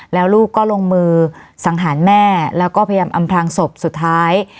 แล้วลูกก็ลงมือสังหารแม่แล้วก็พยายามอำพลางศพสุดท้าย